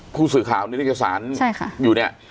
ผู้สื่อข่าวในลักษณะสารใช่ค่ะอยู่เนี้ยค่ะ